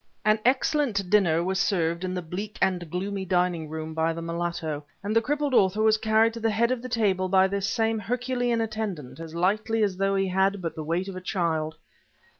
An excellent dinner was served in the bleak and gloomy dining room by the mulatto, and the crippled author was carried to the head of the table by this same Herculean attendant, as lightly as though he had but the weight of a child.